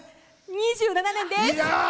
２７年です。